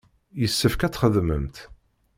Yessefk ad txedmemt.